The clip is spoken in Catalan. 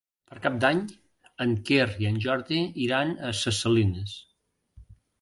Per Cap d'Any en Quer i en Jordi iran a Ses Salines.